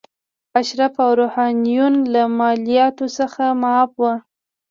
اشراف او روحانیون له مالیاتو څخه معاف وو.